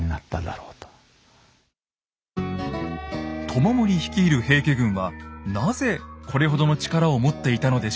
知盛率いる平家軍はなぜこれほどの力を持っていたのでしょうか？